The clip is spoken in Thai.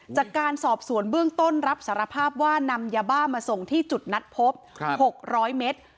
จากการสอบสวนเบื้องต้นรับสารภาพว่านำยาบ้ามาส่งที่จุดนัดพบ๖๐๐เมตร